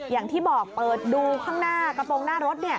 อย่างที่บอกเปิดดูข้างหน้ากระโปรงหน้ารถ